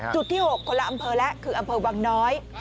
จุดที่๖คนละอำเภอแล้วคืออำเภอวังน้อย